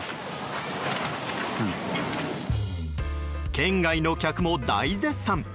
県外の客も大絶賛。